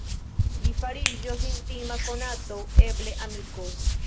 Li fariĝos intima konato; eble amiko.